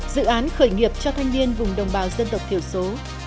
dự án khởi nghiệp cho thanh niên vùng đồng bào dân tộc thiểu số